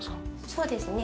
そうですね。